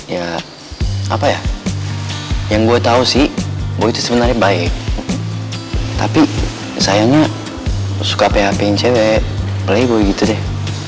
ya apa ya yang gue tau sih boy itu sebenernya baik tapi sayangnya suka phpin cewek playboy gitu deh